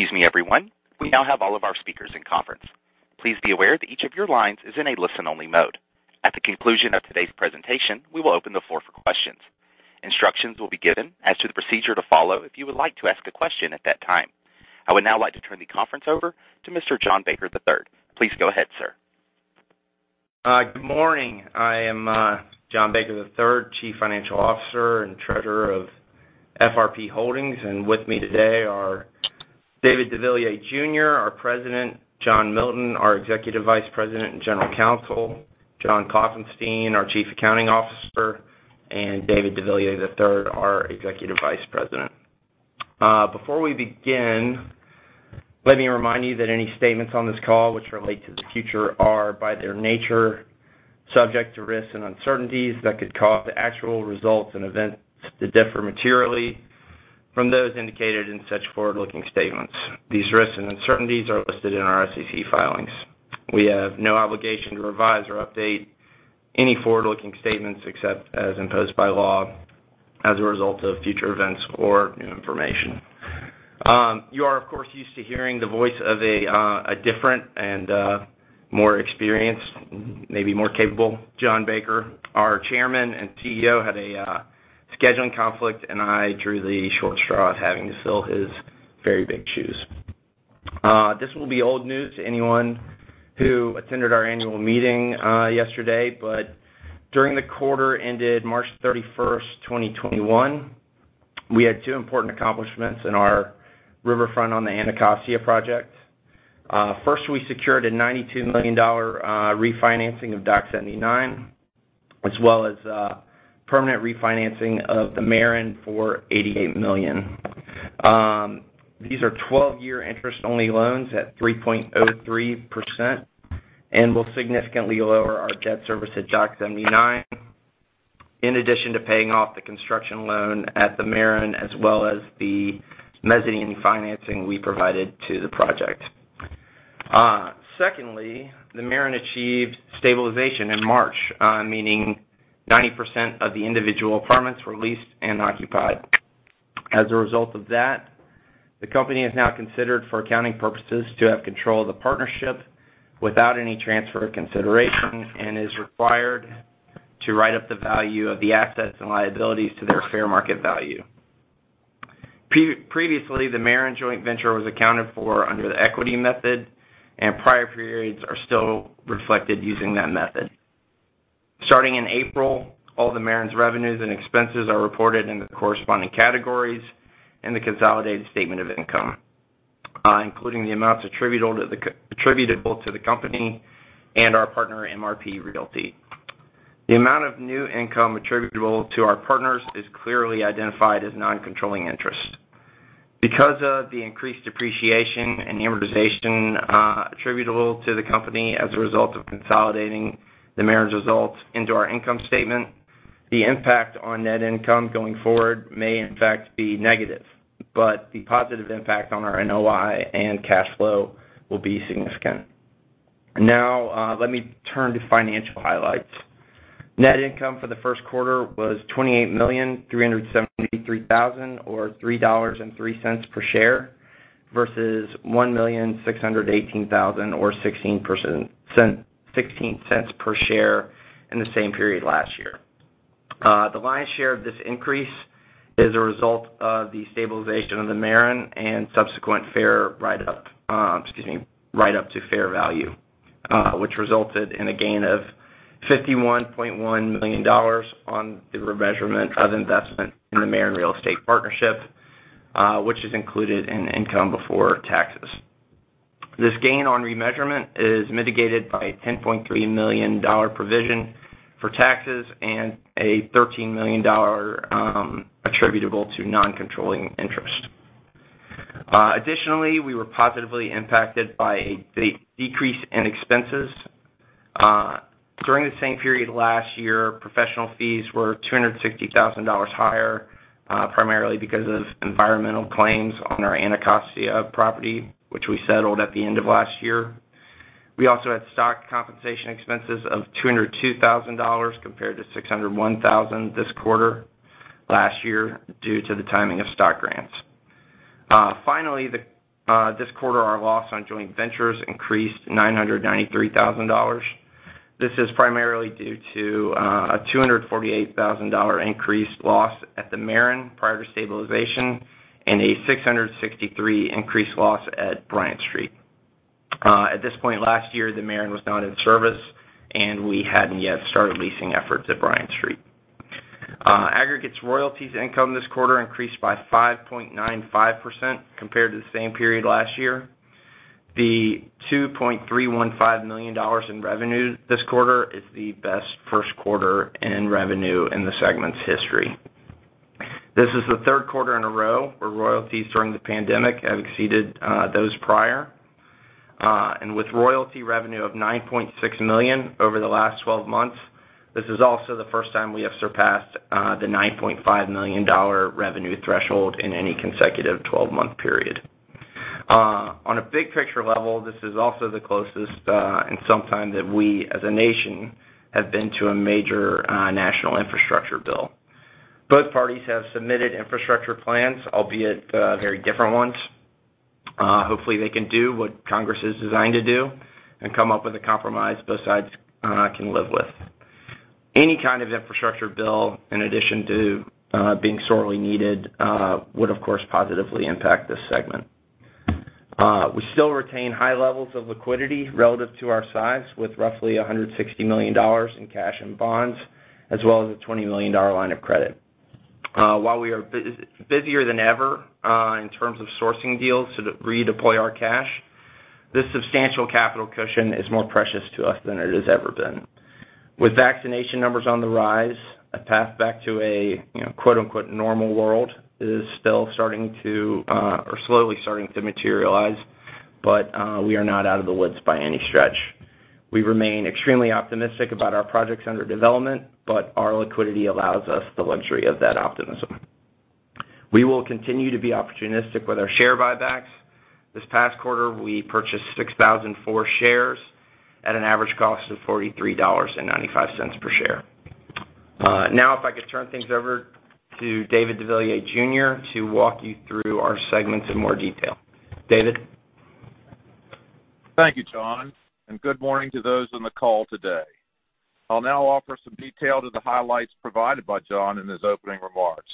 Excuse me everyone we now have all of our speakers in conference. Please be aware that each of your lines is in listen only mode. At the conclusion of today's presentation we will open the floor for questions. Instructions will be given and procedures to follow if you would like to ask a question at that time. I would now like to turn the conference over to Mr. John Baker, III. Please go ahead, sir. Good morning. I am John Baker, III, Chief Financial Officer and Treasurer of FRP Holdings, and with me today are David deVilliers, Jr., our President, John Milton, our Executive Vice President and General Counsel, John Klopfenstein, our Chief Accounting Officer, and David deVilliers, III, our Executive Vice President. Before we begin, let me remind you that any statements on this call which relate to the future are, by their nature, subject to risks and uncertainties that could cause the actual results and events to differ materially from those indicated in such forward-looking statements. These risks and uncertainties are listed in our SEC filings. We have no obligation to revise or update any forward-looking statements except as imposed by law as a result of future events or new information. You are, of course, used to hearing the voice of a different and more experienced, maybe more capable John Baker. Our Chairman and CEO had a scheduling conflict, I drew the short straw of having to fill his very big shoes. This will be old news to anyone who attended our annual meeting yesterday, During the quarter ended March 31, 2021, we had two important accomplishments in our RiverFront on the Anacostia project. First, we secured a $92 million refinancing of Dock 79, as well as permanent refinancing of The Maren for $88 million. These are 12-year interest-only loans at 3.03% and will significantly lower our debt service at Dock 79, in addition to paying off the construction loan at The Maren, as well as the mezzanine financing we provided to the project. Secondly, The Maren achieved stabilization in March, meaning 90% of the individual apartments were leased and occupied. As a result of that, the company is now considered, for accounting purposes, to have control of the partnership without any transfer of consideration and is required to write up the value of the assets and liabilities to their fair market value. Previously, The Maren joint venture was accounted for under the equity method, and prior periods are still reflected using that method. Starting in April, all The Maren's revenues and expenses are reported in the corresponding categories in the consolidated statement of income, including the amounts attributable to the company and our partner, MRP Realty. The amount of net income attributable to our partners is clearly identified as non-controlling interest. Because of the increased depreciation and amortization attributable to the company as a result of consolidating The Maren's results into our income statement, the impact on net income going forward may in fact be negative, but the positive impact on our NOI and cash flow will be significant. Let me turn to financial highlights. Net income for Q1 was $28,373,000, or $3.03 per share, versus $1,618,000 or $0.16 per share in the same period last year. The lion's share of this increase is a result of the stabilization of The Maren and subsequent write-up to fair value, which resulted in a gain of $51.1 million on the remeasurement of investment in The Maren Real Estate Partnership, which is included in income before taxes. This gain on remeasurement is mitigated by a $10.3 million provision for taxes and a $13 million attributable to non-controlling interest. Additionally, we were positively impacted by a decrease in expenses. During the same period last year, professional fees were $260,000 higher, primarily because of environmental claims on our Anacostia property, which we settled at the end of last year. We also had stock compensation expenses of $202,000, compared to $601,000 this quarter last year due to the timing of stock grants. This quarter, our loss on joint ventures increased $993,000. This is primarily due to a $248,000 increased loss at The Maren prior to stabilization and a $663,000 increased loss at Bryant Street. At this point last year, The Maren was not in service, and we hadn't yet started leasing efforts at Bryant Street. Aggregates royalties income this quarter increased by 5.95% compared to the same period last year. The $2.315 million in revenue this quarter is the best Q1 in revenue in the segment's history. This is the Q3 in a row where royalties during the pandemic have exceeded those prior. With royalty revenue of $9.6 million over the last 12 months, this is also the first time we have surpassed the $9.5 million revenue threshold in any consecutive 12-month period. On a big picture level, this is also the closest in some time that we, as a nation, have been to a major national infrastructure bill. Both parties have submitted infrastructure plans, albeit very different ones. Hopefully, they can do what Congress is designed to do and come up with a compromise both sides can live with. Any kind of infrastructure bill, in addition to being sorely needed, would of course positively impact this segment. We still retain high levels of liquidity relative to our size, with roughly $160 million in cash and bonds, as well as a $20 million line of credit. While we are busier than ever in terms of sourcing deals to redeploy our cash, this substantial capital cushion is more precious to us than it has ever been. With vaccination numbers on the rise, a path back to a "normal world" is slowly starting to materialize, but we are not out of the woods by any stretch. We remain extremely optimistic about our projects under development, but our liquidity allows us the luxury of that optimism. We will continue to be opportunistic with our share buybacks. This past quarter, we purchased 6,004 shares at an average cost of $43.95 per share. If I could turn things over to David deVilliers, Jr. to walk you through our segments in more detail. David? Thank you, John, and good morning to those on the call today. I'll now offer some detail to the highlights provided by John in his opening remarks.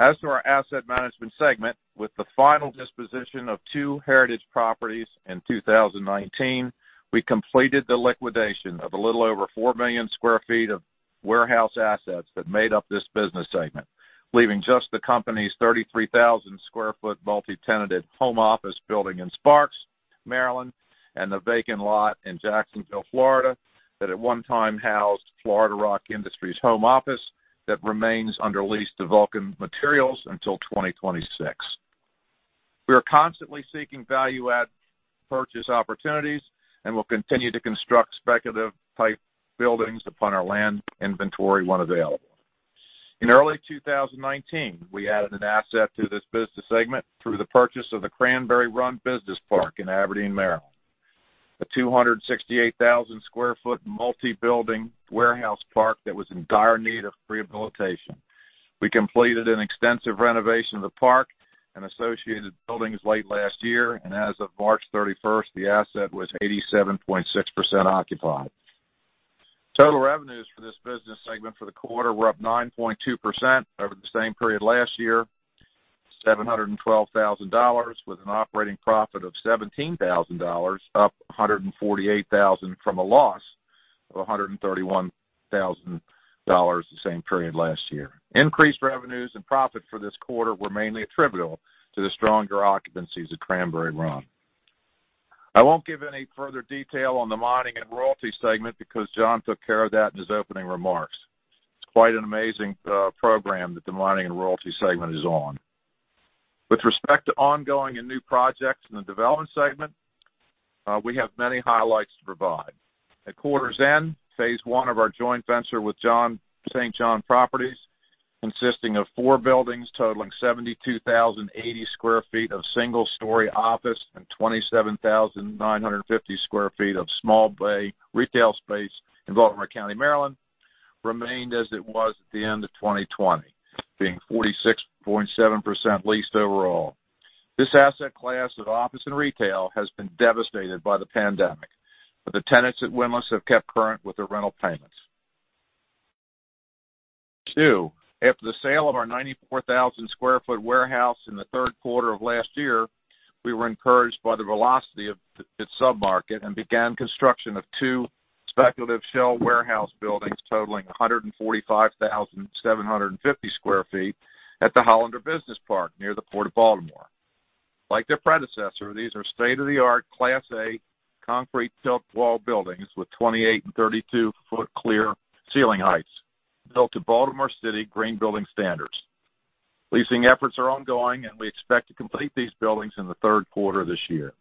As to our asset management segment, with the final disposition of two Heritage properties in 2019, we completed the liquidation of a little over 4 million sq ft of warehouse assets that made up this business segment, leaving just the company's 33,000 sq ft multi-tenanted home office building in Sparks, Maryland, and the vacant lot in Jacksonville, Florida, that at one time housed Florida Rock Industries' home office that remains under lease to Vulcan Materials until 2026. We are constantly seeking value-add purchase opportunities and will continue to construct speculative-type buildings upon our land inventory when available. In early 2019, we added an asset to this business segment through the purchase of the Cranberry Run Business Park in Aberdeen, Maryland, a 268,000 sq ft multi-building warehouse park that was in dire need of rehabilitation. We completed an extensive renovation of the park and associated buildings late last year, and as of March 31st, the asset was 87.6% occupied. Total revenues for this business segment for the quarter were up 9.2% over the same period last year, $712,000, with an operating profit of $17,000, up $148,000 from a loss of $131,000 the same period last year. Increased revenues and profit for this quarter were mainly attributable to the stronger occupancies at Cranberry Run. I won't give any further detail on the mining and royalty segment because John took care of that in his opening remarks. It's quite an amazing program that the mining and royalty segment is on. With respect to ongoing and new projects in the development segment, we have many highlights to provide. At quarter's end, phase one of our joint venture with St. John Properties, consisting of four buildings totaling 72,080 sq ft of single-story office and 27,950 sq ft of small bay retail space in Baltimore County, Maryland, remained as it was at the end of 2020, being 46.7% leased overall. This asset class of office and retail has been devastated by the pandemic, but the tenants at Windlass have kept current with their rental payments. Two, after the sale of our 94,000 sq ft warehouse in the Q3 of last year, we were encouraged by the velocity of its sub-market and began construction of two speculative shell warehouse buildings totaling 145,750 sq ft at the Hollander Business Park near the Port of Baltimore. Like their predecessor, these are state-of-the-art Class A concrete tilt wall buildings with 28 and 32-foot clear ceiling heights built to Baltimore City green building standards. Leasing efforts are ongoing, and we expect to complete these buildings in Q3 of this year.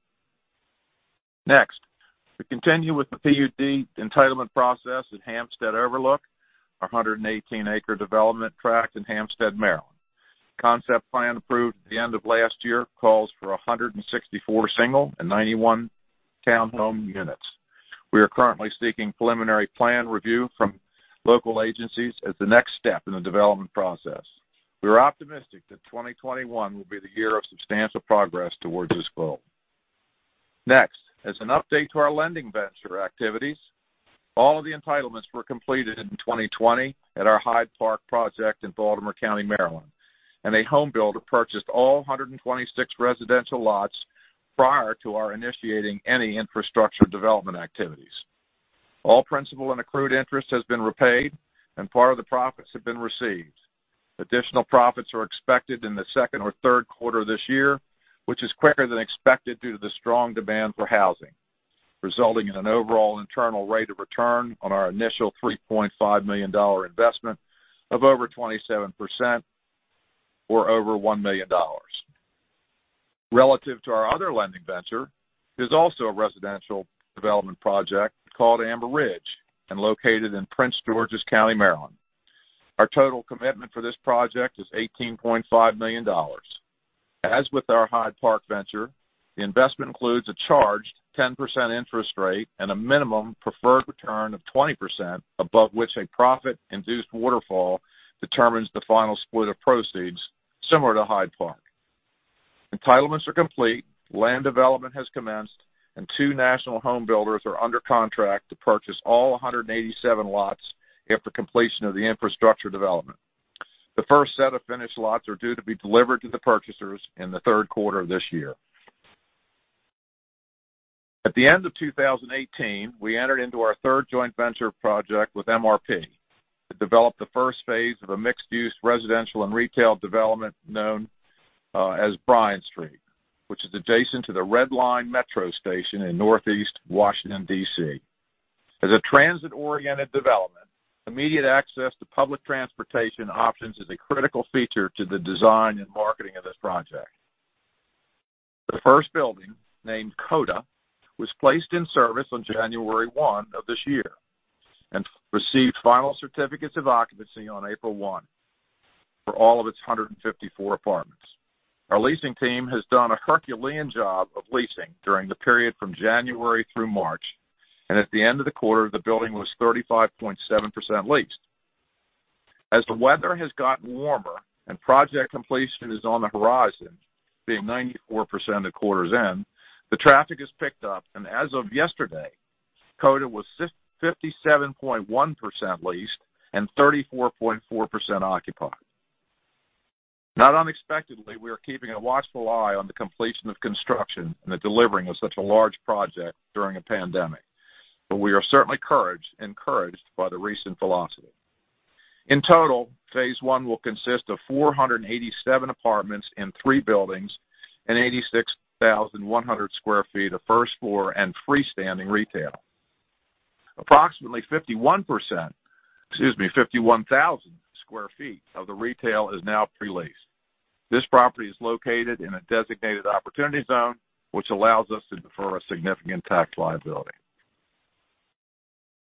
Next, we continue with the PUD entitlement process at Hampstead Overlook, our 118-acre development tract in Hampstead, Maryland. Concept plan approved at the end of last year calls for 164 single and 91 townhome units. We are currently seeking preliminary plan review from local agencies as the next step in the development process. We are optimistic that 2021 will be the year of substantial progress towards this goal. Next, as an update to our lending venture activities, all of the entitlements were completed in 2020 at our Hyde Park project in Baltimore County, Maryland, and a home builder purchased all 126 residential lots prior to our initiating any infrastructure development activities. All principal and accrued interest has been repaid and part of the profits have been received. Additional profits are expected in the second or Q3 of this year, which is quicker than expected due to the strong demand for housing, resulting in an overall internal rate of return on our initial $3.5 million investment of over 27% or over $1 million. Relative to our other lending venture, it is also a residential development project called Amber Ridge and located in Prince George's County, Maryland. Our total commitment for this project is $18.5 million. As with our Hyde Park venture, the investment includes a charged 10% interest rate and a minimum preferred return of 20%, above which a profit-induced waterfall determines the final split of proceeds, similar to Hyde Park. Entitlements are complete, land development has commenced, and two national home builders are under contract to purchase all 187 lots after completion of the infrastructure development. The first set of finished lots are due to be delivered to the purchasers in Q3 of this year. At the end of 2018, we entered into our third joint venture project with MRP to develop the first phase of a mixed-use residential and retail development known as Bryant Street, which is adjacent to the Red Line Metro station in Northeast Washington, D.C. As a transit-oriented development, immediate access to public transportation options is a critical feature to the design and marketing of this project. The first building, named CODA, was placed in service on January 1 of this year and received final certificates of occupancy on April 1 for all of its 154 apartments. Our leasing team has done a Herculean job of leasing during the period from January through March, and at the end of the quarter, the building was 35.7% leased. As the weather has gotten warmer and project completion is on the horizon, being 94% at quarter's end, the traffic has picked up, and as of yesterday, CODA was 57.1% leased and 34.4% occupied. Not unexpectedly, we are keeping a watchful eye on the completion of construction and the delivering of such a large project during a pandemic, but we are certainly encouraged by the recent velocity. In total, phase one will consist of 487 apartments in three buildings and 86,100 sq ft of first-floor and freestanding retail. Approximately 51,000 sq ft of the retail is now pre-leased. This property is located in a designated opportunity zone, which allows us to defer a significant tax liability.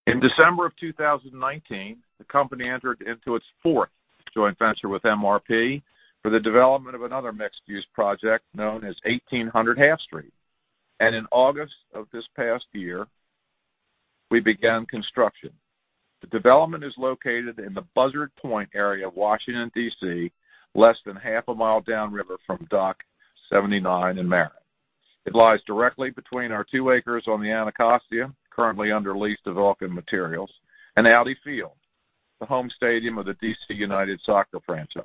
In December of 2019, the company entered into its fourth joint venture with MRP for the development of another mixed-use project known as 1800 Half Street. In August of this past year, we began construction. The development is located in the Buzzard Point area of Washington, D.C., less than half a mile downriver from Dock 79 in Maryland. It lies directly between our two acres on the Anacostia, currently under lease to Vulcan Materials, and Audi Field, the home stadium of the D.C. United soccer franchise.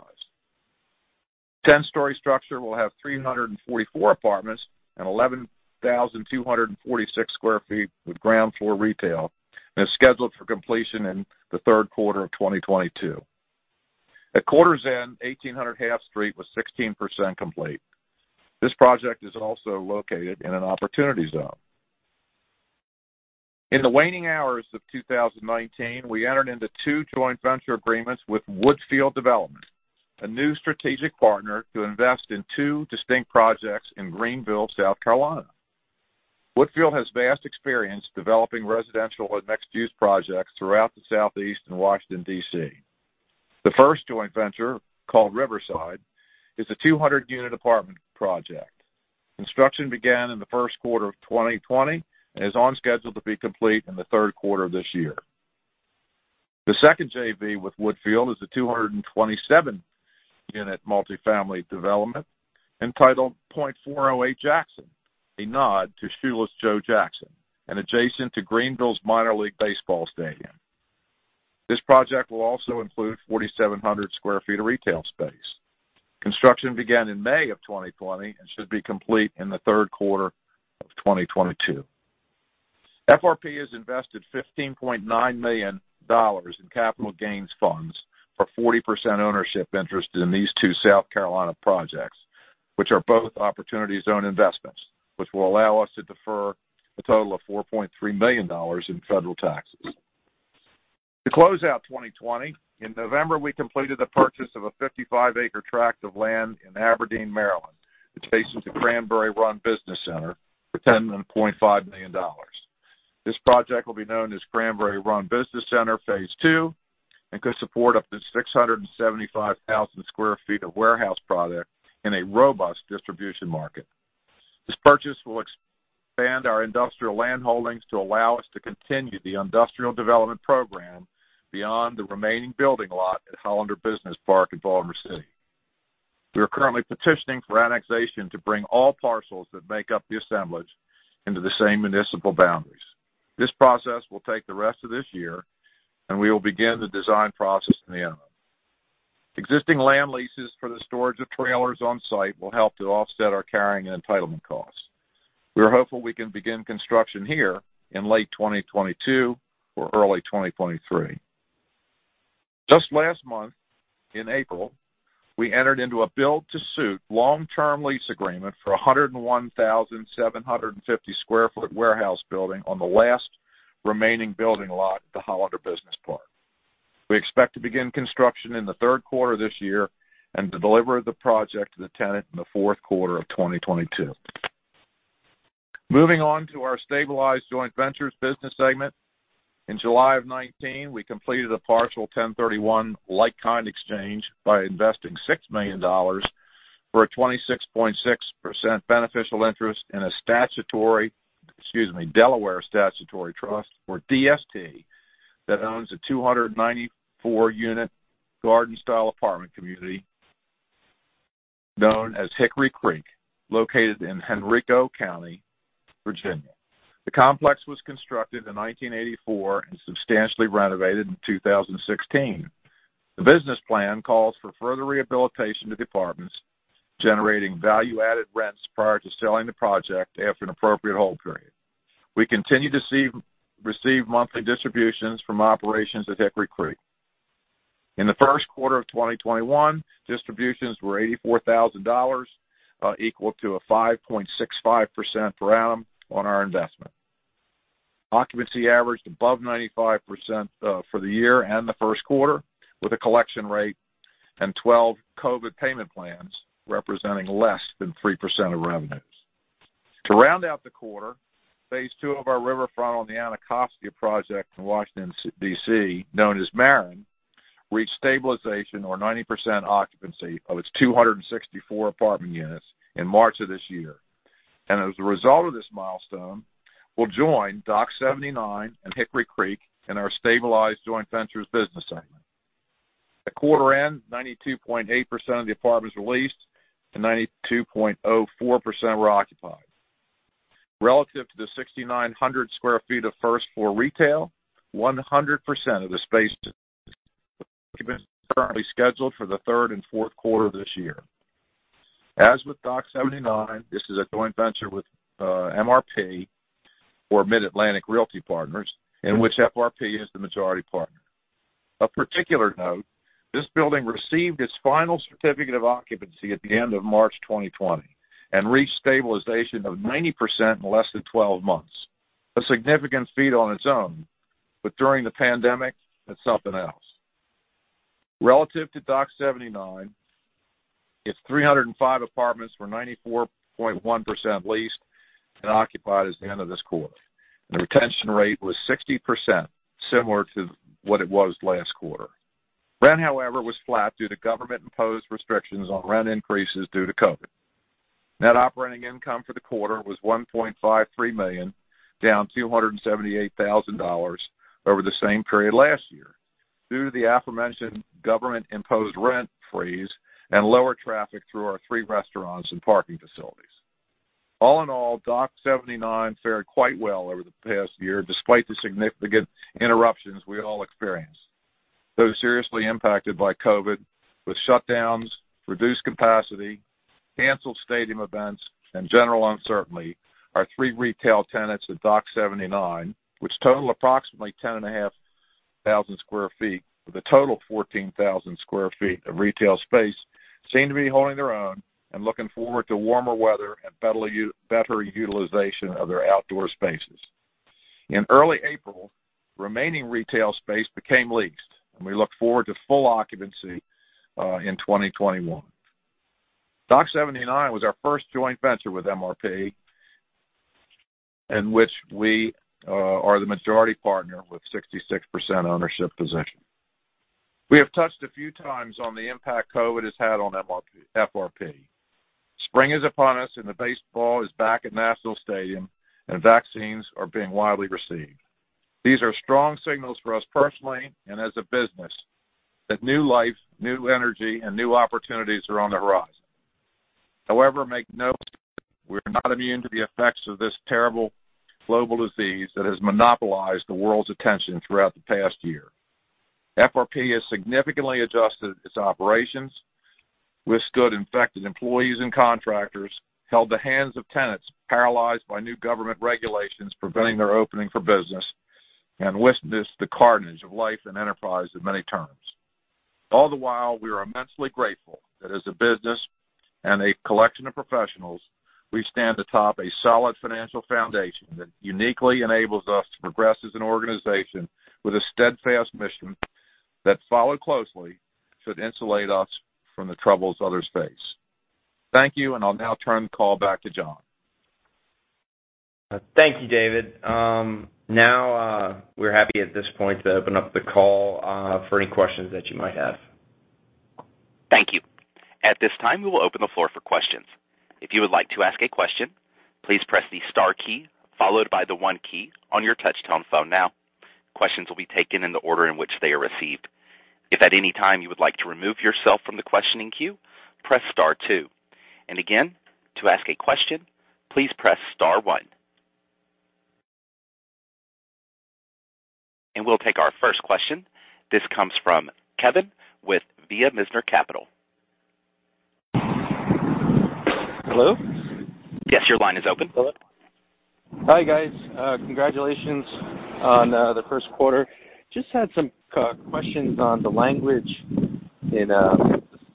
The 10-story structure will have 344 apartments and 11,246 sq ft with ground floor retail, and is scheduled for completion in the Q3 of 2022. At quarter's end, 1800 Half Street was 16% complete. This project is also located in an opportunity zone. In the waning hours of 2019, we entered into two joint venture agreements with Woodfield Development, a new strategic partner to invest in two distinct projects in Greenville, South Carolina. Woodfield has vast experience developing residential and mixed-use projects throughout the Southeast and Washington, D.C. The first joint venture, called Riverside, is a 200-unit apartment project. Construction began in the Q1 of 2020 and is on schedule to be complete in the Q3 of this year. The second JV with Woodfield is a 227-unit multi-family development entitled .408 Jackson, a nod to Shoeless Joe Jackson, and adjacent to Greenville's Minor League Baseball stadium. This project will also include 4,700 sq ft of retail space. Construction began in May of 2020 and should be complete in the Q3 of 2022. FRP has invested $15.9 million in capital gains funds for 40% ownership interest in these two South Carolina projects, which are both opportunity zone investments, which will allow us to defer a total of $4.3 million in federal taxes. To close out 2020, in November, we completed the purchase of a 55-acre tract of land in Aberdeen, Maryland that faces the Cranberry Run Business Center for $10.5 million. This project will be known as Cranberry Run Business Center Phase 2 and could support up to 675,000 sq ft of warehouse product in a robust distribution market. This purchase will expand our industrial land holdings to allow us to continue the industrial development program beyond the remaining building lot at Hollander Business Park in Baltimore City. We are currently petitioning for annexation to bring all parcels that make up the assemblage into the same municipal boundaries. This process will take the rest of this year, and we will begin the design process in the autumn. Existing land leases for the storage of trailers on site will help to offset our carrying and entitlement costs. We are hopeful we can begin construction here in late 2022 or early 2023. Just last month, in April, we entered into a build-to-suit long-term lease agreement for 101,750 sq ft warehouse building on the last remaining building lot at the Hollander Business Park. We expect to begin construction in the Q3 of this year and to deliver the project to the tenant in the Q4 of 2022. Moving on to our Stabilized Joint Ventures business segment. In July of 2019, we completed a partial 1031 like-kind exchange by investing $6 million for a 26.6% beneficial interest in a statutory, excuse me, Delaware Statutory Trust, or DST, that owns a 294-unit garden-style apartment community known as Hickory Creek, located in Henrico County, Virginia. The complex was constructed in 1984 and substantially renovated in 2016. The business plan calls for further rehabilitation to the apartments, generating value-added rents prior to selling the project after an appropriate hold period. We continue to receive monthly distributions from operations at Hickory Creek. In the Q1 of 2021, distributions were $84,000, equal to a 5.65% per annum on our investment. Occupancy averaged above 95% for the year and Q1, with a collection rate and 12 COVID payment plans representing less than 3% of revenues. To round out the quarter, phase two of our RiverFront on the Anacostia project in Washington, D.C., known as Maren, reached stabilization or 90% occupancy of its 264 apartment units in March of this year. As a result of this milestone, will join Dock 79 and Hickory Creek in our Stabilized Joint Ventures Business Segment. At quarter end, 92.8% of the apartments were leased and 92.04% were occupied. Relative to the 6,900 sq ft of first-floor retail, 100% of the space is currently scheduled for Q3 and Q4 of this year. As with Dock 79, this is a joint venture with MRP, or MidAtlantic Realty Partners, in which FRP is the majority partner. Of particular note, this building received its final certificate of occupancy at the end of March 2020 and reached stabilization of 90% in less than 12 months. A significant feat on its own, but during the pandemic, it's something else. Relative to Dock 79, its 305 apartments were 94.1% leased and occupied as of the end of this quarter. The retention rate was 60%, similar to what it was last quarter. Rent, however, was flat due to government-imposed restrictions on rent increases due to COVID. Net operating income for the quarter was $1.53 million, down $278,000 over the same period last year, due to the aforementioned government-imposed rent freeze and lower traffic through our three restaurants and parking facilities. All in all, Dock 79 fared quite well over the past year, despite the significant interruptions we all experienced. Though seriously impacted by COVID, with shutdowns, reduced capacity, canceled stadium events, and general uncertainty, our three retail tenants at Dock 79, which total approximately 10,500 sq ft of the total 14,000 sq ft of retail space, seem to be holding their own and looking forward to warmer weather and better utilization of their outdoor spaces. In early April, remaining retail space became leased, and we look forward to full occupancy in 2021. Dock 79 was our first joint venture with MRP, in which we are the majority partner with 66% ownership position. We have touched a few times on the impact COVID has had on FRP. Spring is upon us. Baseball is back at Nationals Park. Vaccines are being widely received. These are strong signals for us personally, and as a business, that new life, new energy, and new opportunities are on the horizon. However, make note that we're not immune to the effects of this terrible global disease that has monopolized the world's attention throughout the past year. FRP has significantly adjusted its operations, withstood infected employees and contractors, held the hands of tenants paralyzed by new government regulations preventing their opening for business, and witnessed the carnage of life and enterprise in many terms. All the while, we are immensely grateful that as a business and a collection of professionals, we stand atop a solid financial foundation that uniquely enables us to progress as an organization with a steadfast mission that, followed closely, should insulate us from the troubles others face. Thank you, and I'll now turn the call back to John. Thank you, David. We're happy at this point to open up the call for any questions that you might have. Thank you. At this time, we will open the floor for questions. If you would like to ask a question please press the star key followed by the one key on your touch tone phone. Questions will be taken in the order they were received. If at any time you would like to remove yourself from the question queue press star two. Again to ask a question please press star one. We'll take our first question. This comes from Kevin with Via Mizner Capital. Hello? Yes, your line is open. Hello. Hi, guys. Congratulations on Q1. Just had some questions on the language in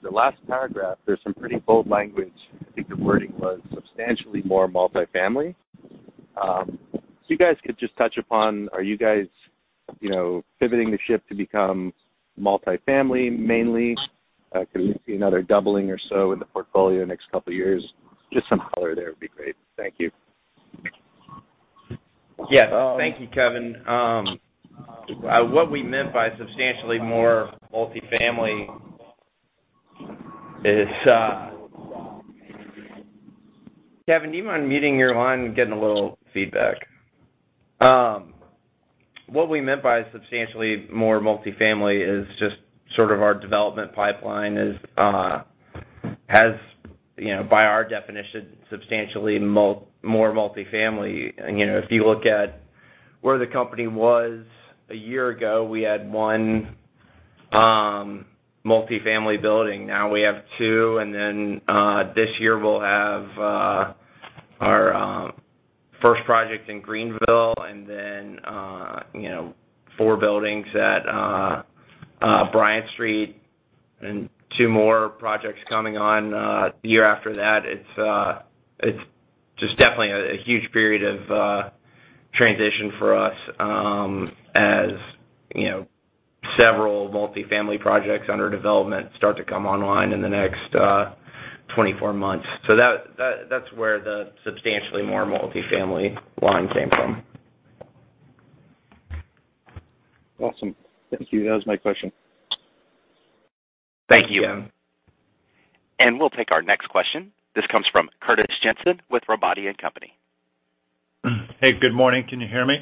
the last paragraph. There's some pretty bold language. I think the wording was substantially more multifamily. If you guys could just touch upon, are you guys pivoting the ship to become multifamily mainly? We see another doubling or so in the portfolio the next couple of years. Just some color there would be great. Thank you. Yes. Thank you, Kevin. Kevin, do you mind muting your line? I'm getting a little feedback. What we meant by substantially more multifamily is just sort of our development pipeline has, by our definition, substantially more multifamily. If you look at where the company was a year ago, we had one multifamily building. Now we have two, and then this year we'll have our first project in Greenville, and then four buildings at Bryant Street, and two more projects coming on the year after that. It's just definitely a huge period of transition for us, as several multifamily projects under development start to come online in the next 24 months. That's where the substantially more multifamily line came from. Awesome. Thank you. That was my question. Thank you. We'll take our next question. This comes from Curtis Jensen with Robotti & Company. Hey, good morning. Can you hear me?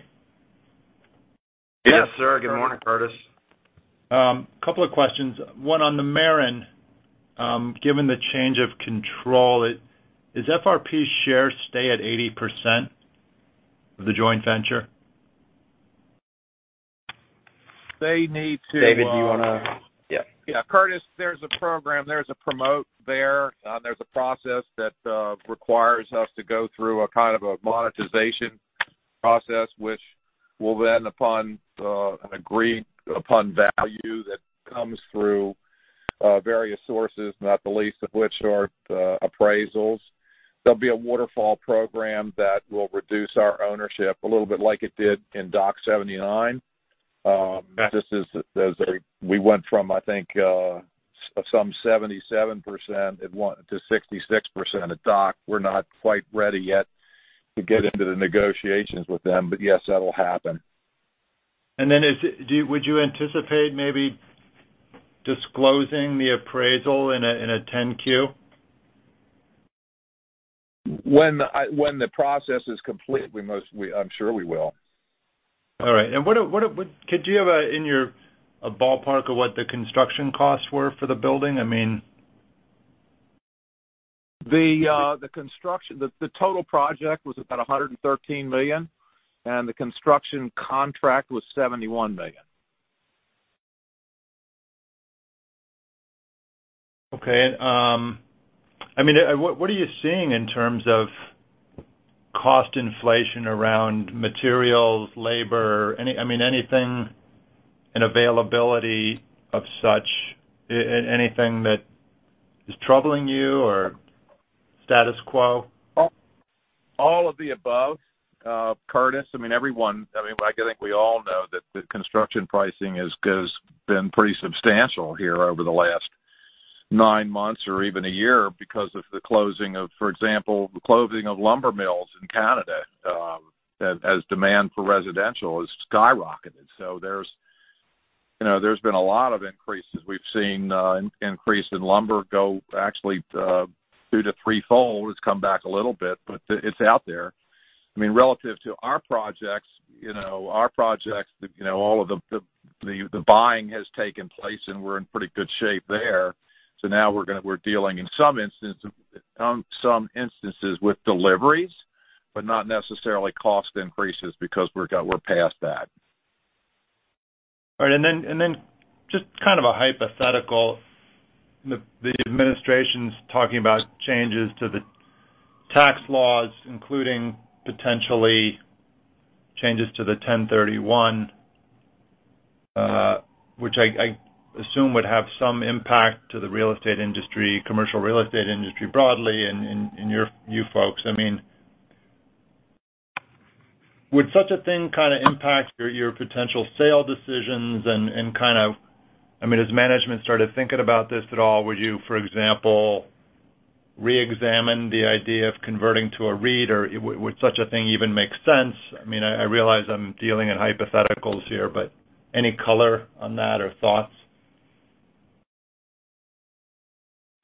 Yes, sir. Good morning, Curtis. A couple of questions. One on The Maren, given the change of control, does FRP shares stay at 80% of the joint venture? David, do you want to- Yeah. Curtis, there's a program, there's a promote there. There's a process that requires us to go through a kind of a monetization process, which will land upon an agreed-upon value that comes through various sources, not the least of which are the appraisals. There'll be a waterfall program that will reduce our ownership a little bit like it did in Dock 79. We went from, I think, some 77% to 66% at Dock. We're not quite ready yet to get into the negotiations with them, but yes, that'll happen. Would you anticipate maybe disclosing the appraisal in a 10-Q? When the process is complete, I'm sure we will. All right. Do you have a ballpark of what the construction costs were for the building? The total project was about $113 million, and the construction contract was $71 million. Okay. What are you seeing in terms of cost inflation around materials, labor, and availability of such? Anything that is troubling you or status quo? All of the above, Curtis. I think we all know that the construction pricing has been pretty substantial here over the last nine months or even a year because of the closing of, for example, the closing of lumber mills in Canada, as demand for residential has skyrocketed. There's been a lot of increases. We've seen an increase in lumber go actually two to threefold. It's come back a little bit, but it's out there. Relative to our projects, all of the buying has taken place, and we're in pretty good shape there. Now we're dealing in some instances with deliveries, but not necessarily cost increases because we're past that. All right. Just kind of a hypothetical. The administration's talking about changes to the tax laws, including potentially changes to the 1031, which I assume would have some impact to the real estate industry, commercial real estate industry broadly, and you folks. Would such a thing kind of impact your potential sale decisions and kind of....Has management started thinking about this at all? Would you, for example, reexamine the idea of converting to a REIT, or would such a thing even make sense? I realize I'm dealing in hypotheticals here. Any color on that or thoughts?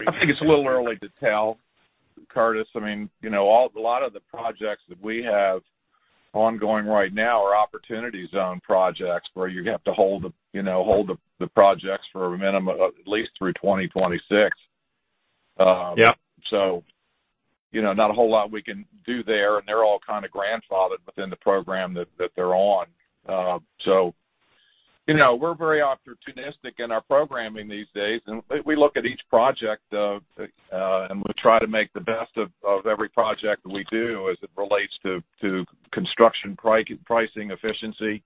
I think it's a little early to tell, Curtis. A lot of the projects that we have ongoing right now are opportunity zone projects where you have to hold the projects for a minimum of at least through 2026. Yep. Not a whole lot we can do there, and they're all kind of grandfathered within the program that they're on. We're very opportunistic in our programming these days, and we look at each project, and we try to make the best of every project that we do as it relates to construction pricing efficiency,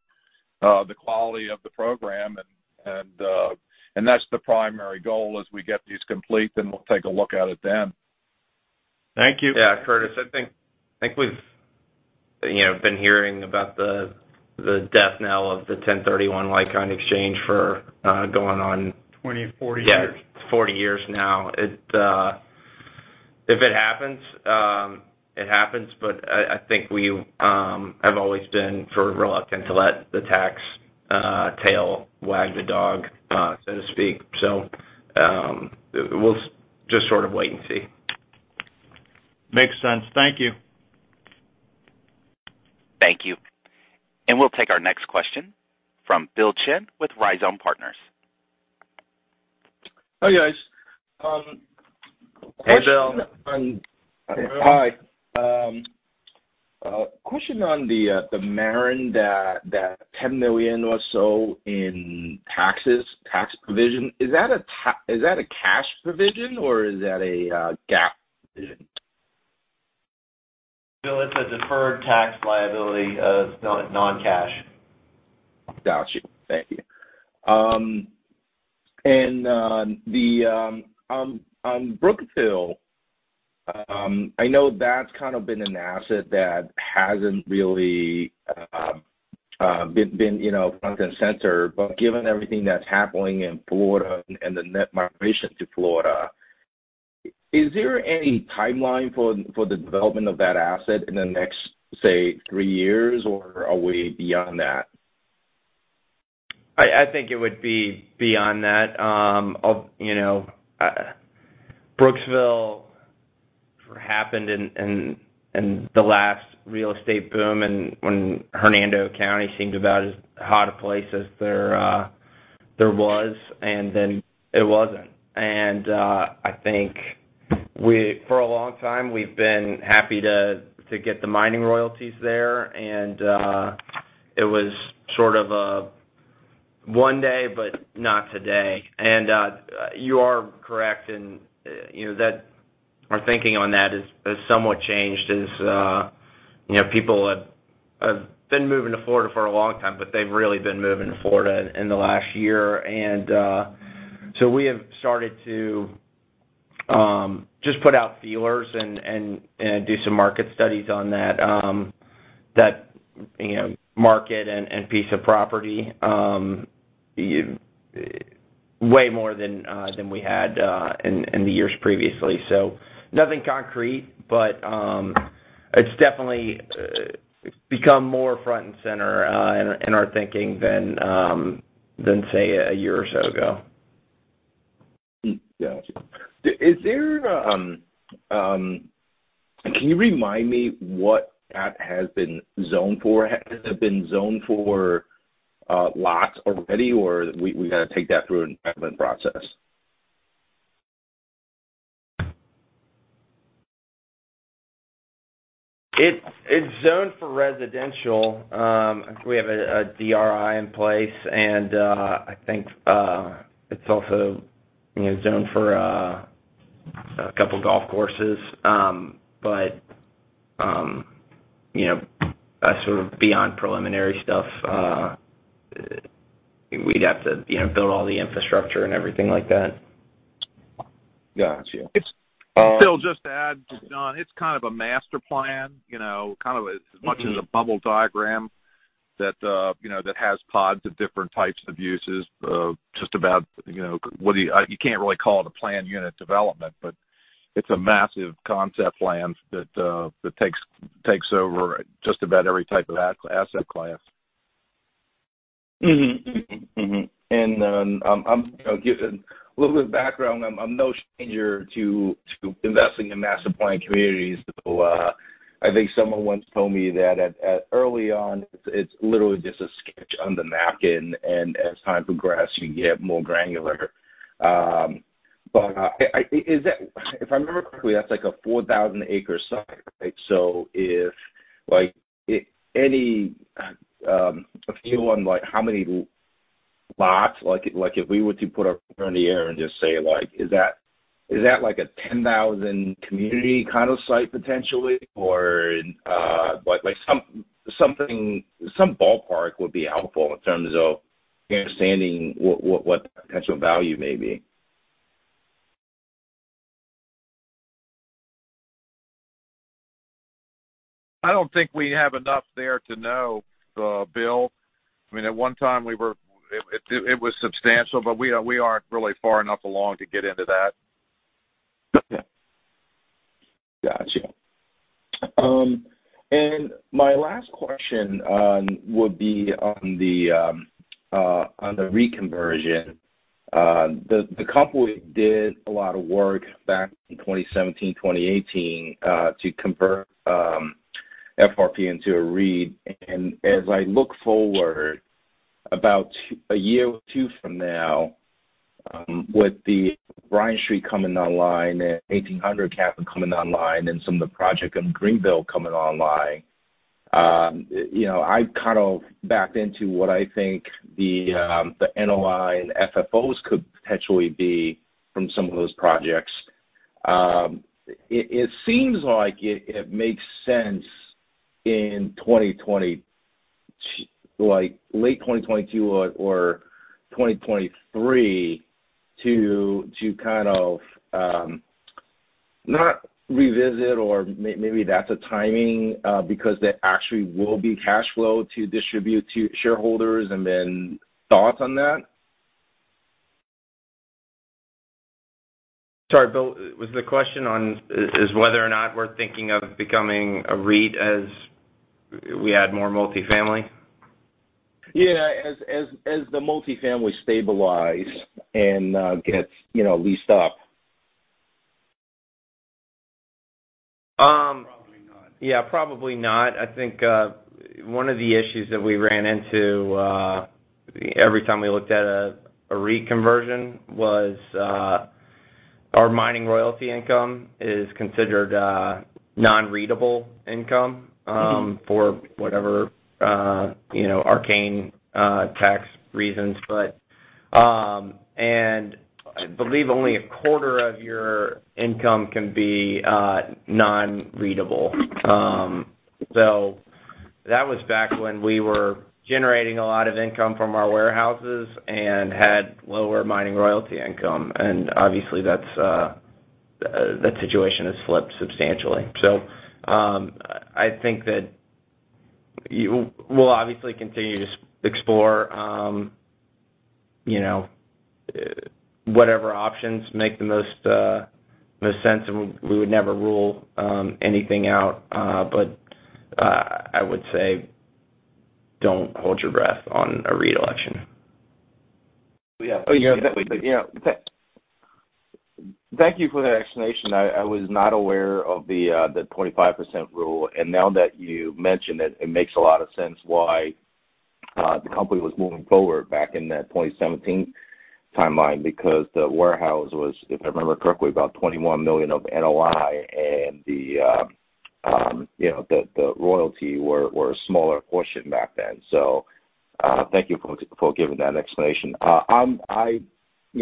the quality of the program, and that's the primary goal as we get these complete, then we'll take a look at it then. Thank you. Yeah, Curtis, I think we've been hearing about the death knell of the 1031 like-kind exchange for going on. 20, 40 years. Yeah, 40 years now. If it happens, it happens, but I think we have always been reluctant to let the tax tail wag the dog, so to speak. We'll just sort of wait and see. Makes sense. Thank you. Thank you. We'll take our next question from Bill Chen with Rhizome Partners. Hi, guys. Hey, Bill. Hi. A question on The Maren, that $10 million or so in taxes, tax provision, is that a cash provision, or is that a GAAP provision? Bill, it's a deferred tax liability, non-cash. Got you. Thank you. On Brooksville, I know that's kind of been an asset that hasn't really been front and center, but given everything that's happening in Florida and the net migration to Florida, is there any timeline for the development of that asset in the next, say, three years, or are we beyond that? I think it would be beyond that. Brooksville happened in the last real estate boom, and when Hernando County seemed about as hot a place as there was, and then it wasn't. I think for a long time, we've been happy to get the mining royalties there, and it was sort of a one day, but not today. You are correct in that our thinking on that has somewhat changed, as people have been moving to Florida for a long time, but they've really been moving to Florida in the last year. We have started to just put out feelers and do some market studies on that market and piece of property way more than we had in the years previously. Nothing concrete, but it's definitely become more front and center in our thinking than, say, a year or so ago. Got you. Can you remind me what that has been zoned for? Has it been zoned for lots already, or we've got to take that through a development process? It's zoned for residential. We have a DRI in place, and I think it's also zoned for a couple golf courses. Sort of beyond preliminary stuff, we'd have to build all the infrastructure and everything like that. Got you. Bill, just to add to John, it's kind of a master plan, kind of as much as a bubble diagram that has pods of different types of uses. You can't really call it a planned unit development, but it's a massive concept plan that takes over just about every type of asset class. I'll give a little bit of background. I'm no stranger to investing in master planned communities. I think someone once told me that early on, it's literally just a sketch on the napkin, and as time progressed, you get more granular. If I remember correctly, that's like a 4,000-acre site, right? A feel on how many lots, if we were to put our finger in the air and just say, is that like a 10,000 community kind of site potentially? Some ballpark would be helpful in terms of understanding what the potential value may be. I don't think we have enough there to know, Bill. At one time it was substantial, but we aren't really far enough along to get into that. Okay. Got you. My last question would be on the reconversion. The company did a lot of work back in 2017, 2018, to convert FRP into a REIT. As I look forward about a year or two from now, with the Bryant Street coming online and 1800 Half Street coming online and some of the project in Greenville coming online, I've kind of backed into what I think the NOI and FFOs could potentially be from some of those projects. It seems like it makes sense in 2023 like late 2022 or 2023 to not revisit, or maybe that's a timing, because there actually will be cash flow to distribute to shareholders, thoughts on that? Sorry, Bill, is the question whether or not we're thinking of becoming a REIT as we add more multi-family? Yeah. As the multi-family stabilize and gets leased up. Probably not. Yeah, probably not. I think one of the issues that we ran into every time we looked at a REIT conversion was our mining royalty income is considered non-REITable income for whatever arcane tax reasons. I believe only a quarter of your income can be non-REITable. That was back when we were generating a lot of income from our warehouses and had lower mining royalty income, and obviously, that situation has flipped substantially. I think that we'll obviously continue to explore whatever options make the most sense, and we would never rule anything out. I would say don't hold your breath on a REIT election. Yeah. Thank you for that explanation. I was not aware of the 25% rule, and now that you mention it makes a lot of sense why the company was moving forward back in that 2017 timeline, because the warehouse was, if I remember correctly, about $21 million of NOI and the royalty were a smaller portion back then. Thank you for giving that explanation.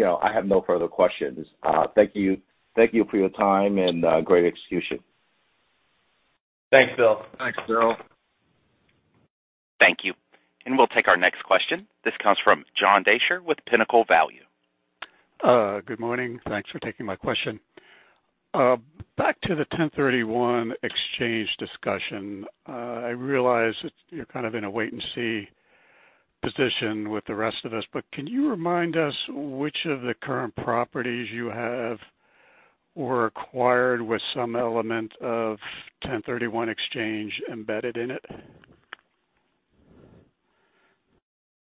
I have no further questions. Thank you for your time, and great execution. Thanks, Bill. Thanks, Bill. Thank you. We'll take our next question. This comes from John Deysher with Pinnacle Value. Good morning. Thanks for taking my question. Back to the 1031 exchange discussion. I realize that you're kind of in a wait and see position with the rest of us, but can you remind us which of the current properties you have were acquired with some element of 1031 exchange embedded in it?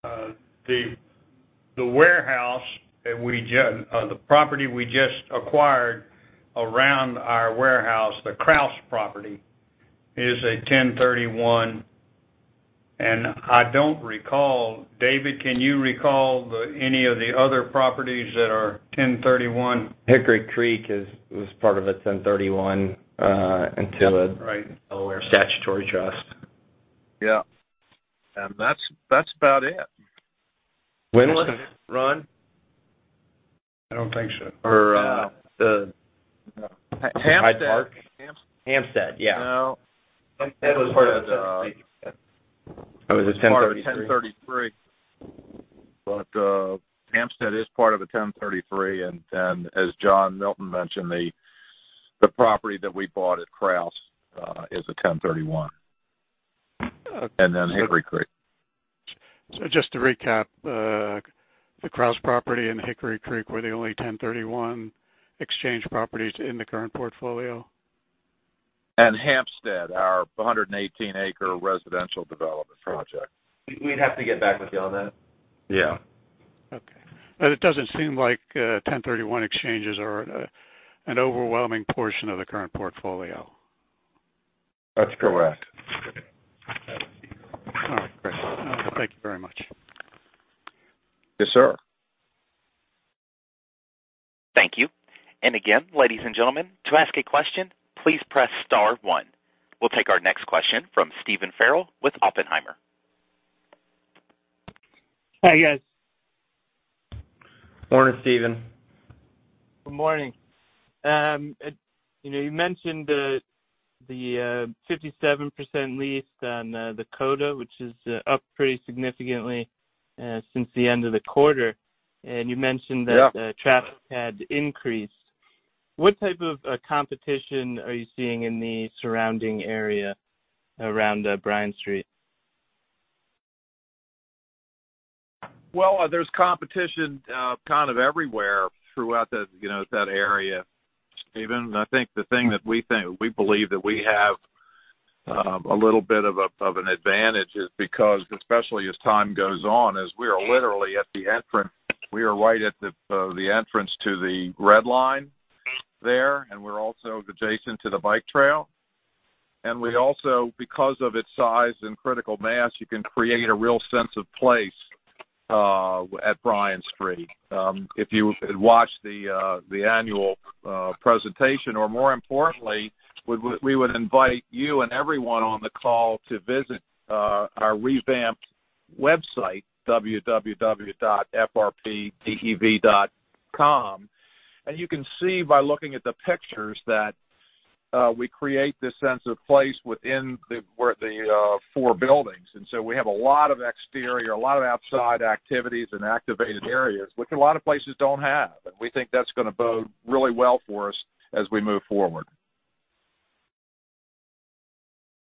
The property we just acquired around our warehouse, the Krause property, is a 1031. I don't recall David, can you recall any of the other properties that are 1031? Hickory Creek was part of a 1031 statutory trust. Yeah. That's about it. Windlass, Ron? I don't think so. Hampstead was part of the 1033. It was part of a 1033. Hampstead is part of a 1033, and then as John Milton mentioned, the property that we bought at Krause is a 1031, and then Hickory Creek. Just to recap, the Krause property and Hickory Creek were the only 1031 exchange properties in the current portfolio? Hampstead, our 118-acre residential development project. Okay. We'd have to get back with you on that. Yeah. Okay. It doesn't seem like 1031 exchanges are an overwhelming portion of the current portfolio. That's correct. All right, great. Thank you very much. Yes, sir. Thank you. Again, ladies and gentlemen, to ask a question, please press star one. We'll take our next question from Stephen Farrell with Oppenheimer. Hi, guys. Morning, Stephen. Good morning. You mentioned the 57% leased on the CODA, which is up pretty significantly since the end of the quarter. Traffic had increased. What type of competition are you seeing in the surrounding area around Bryant Street? Well, there's competition kind of everywhere throughout that area, Stephen. I think the thing that we believe that we have a little bit of an advantage is because, especially as time goes on, as we are literally at the entrance, we are right at the entrance to the red line there, and we're also adjacent to the bike trail. We also, because of its size and critical mass, you can create a real sense of place at Bryant Street. If you watch the annual presentation or more importantly, we would invite you and everyone on the call to visit our revamped website, www.frpdev.com. You can see by looking at the pictures that we create this sense of place within the four buildings, and so we have a lot of exterior, a lot of outside activities and activated areas, which a lot of places don't have. We think that's going to bode really well for us as we move forward.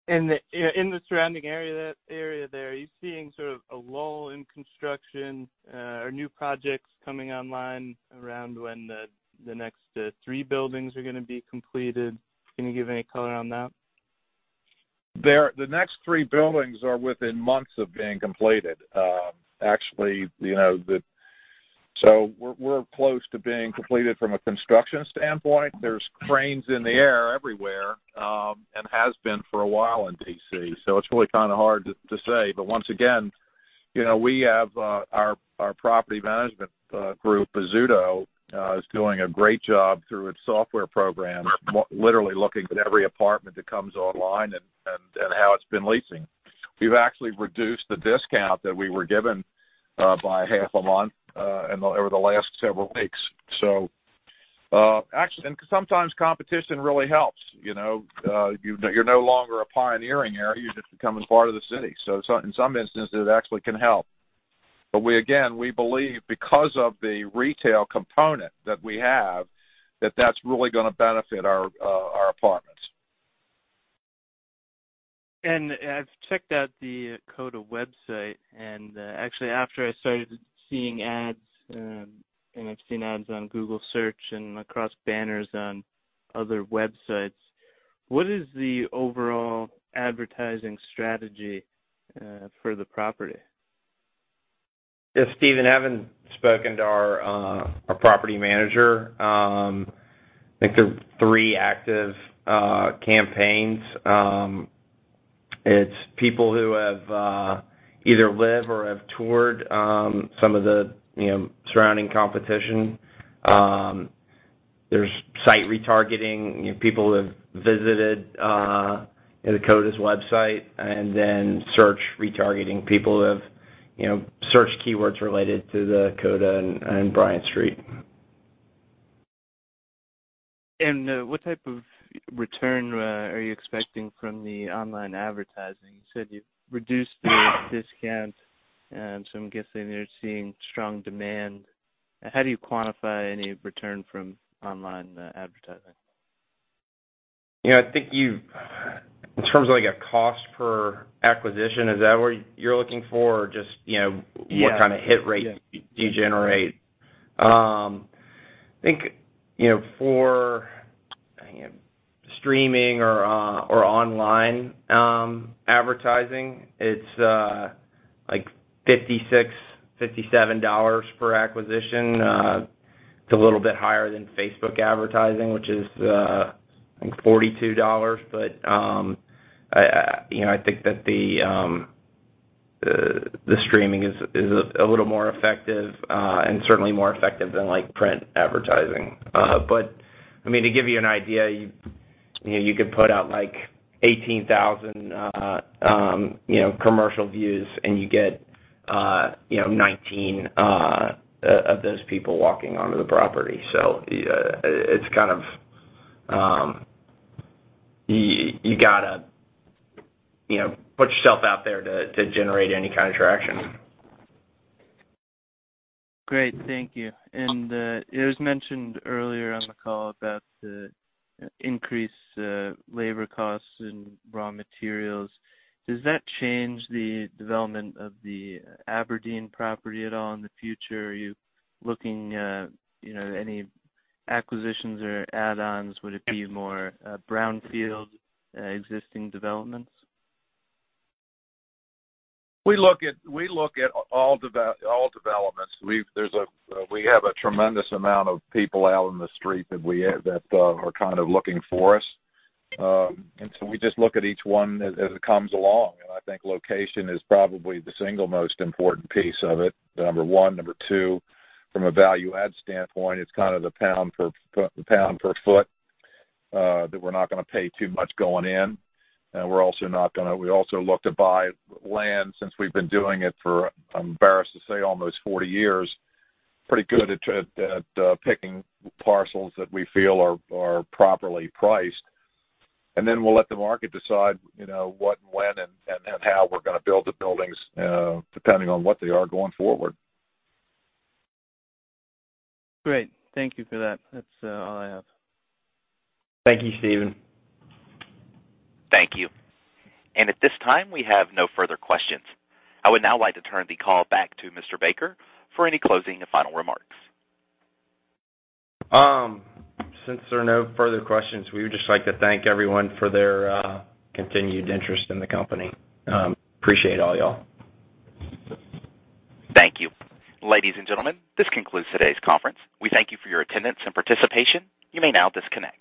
In the surrounding area there, are you seeing sort of a lull in construction or new projects coming online around when the next three buildings are going to be completed? Can you give any color on that? The next three buildings are within months of being completed. Actually, we're close to being completed from a construction standpoint. There's cranes in the air everywhere, and has been for a while in D.C. It's really kind of hard to say. Once again, our property management group, Bozzuto, is doing a great job through its software program, literally looking at every apartment that comes online and how it's been leasing. We've actually reduced the discount that we were given by half a month over the last several weeks. Sometimes competition really helps. You're no longer a pioneering area, you're just becoming part of the city. In some instances, it actually can help. Again, we believe because of the retail component that we have, that that's really going to benefit our apartments. I've checked out the CODA website, and actually, after I started seeing ads, and I've seen ads on Google Search and across banners on other websites. What is the overall advertising strategy for the property? Yes, Stephen, having spoken to our property manager, I think there's three active campaigns. It's people who have either lived or have toured some of the surrounding competition. There's site retargeting, people who have visited the CODA's website, and then search retargeting people who have searched keywords related to the CODA and Bryant Street. What type of return are you expecting from the online advertising? You said you've reduced the discount, so I'm guessing you're seeing strong demand. How do you quantify any return from online advertising? I think in terms of a cost per acquisition, is that what you're looking for? Yeah. What kind of hit rates do you generate? I think for streaming or online advertising, it's like $56, $57 per acquisition. It's a little bit higher than Facebook advertising, which is, I think, $42. I think that the streaming is a little more effective, and certainly more effective than print advertising. To give you an idea, you could put out 18,000 commercial views, and you get 19 of those people walking onto the property. You got to put yourself out there to generate any kind of traction. Great. Thank you. It was mentioned earlier on the call about the increased labor costs and raw materials. Does that change the development of the Aberdeen property at all in the future? Are you looking at any acquisitions or add-ons? Would it be more brownfield existing developments? We look at all developments. We have a tremendous amount of people out in the street that are kind of looking for us. We just look at each one as it comes along. I think location is probably the single most important piece of it, number one. Number two, from a value add standpoint, it's kind of the pound per foot, that we're not going to pay too much going in. We also look to buy land, since we've been doing it for, I'm embarrassed to say, almost 40 years, pretty good at picking parcels that we feel are properly priced. We'll let the market decide what, when, and how we're going to build the buildings, depending on what they are going forward. Great. Thank you for that. That's all I have. Thank you, Stephen. Thank you. At this time, we have no further questions. I would now like to turn the call back to Mr. Baker for any closing and final remarks. Since there are no further questions, we would just like to thank everyone for their continued interest in the company. Appreciate all y'all. Thank you. Ladies and gentlemen, this concludes today's conference. We thank you for your attendance and participation. You may now disconnect.